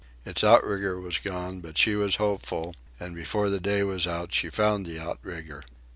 Its outrigger was gone, but she was hopeful, and, before the day was out, she found the outrigger.